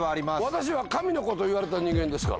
私は神の子と言われた人間ですから。